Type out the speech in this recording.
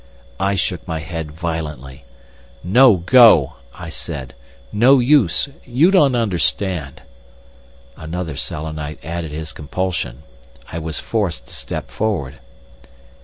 I shook my head violently. "No go," I said, "no use. You don't understand." Another Selenite added his compulsion. I was forced to step forward.